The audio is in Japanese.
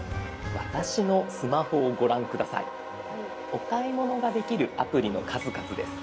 お買い物ができるアプリの数々です。